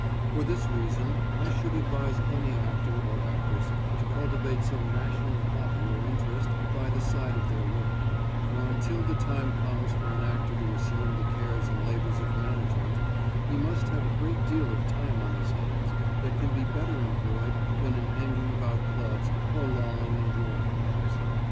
For this reason, I should advise any actor, or actress, to cultivate some rational hobby or interest by the side of their work; for until the time comes for an actor to assume the cares and labours of management, he must have a great deal of time on his hands that can be better employed than in hanging about clubs or lolling in drawing rooms.